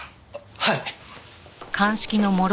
はい。